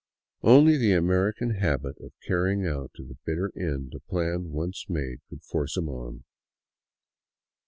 Only the American habit of carrying out to the bitter end a plan once made could force him on.